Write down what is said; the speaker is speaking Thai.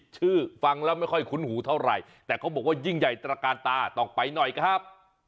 ฟังแล้วไม่ค่อยคุ้นหูเท่าไหร่แต่เขาบอกว่ายิ่งใหญ่ตระการตาต้องไปหน่อยครับ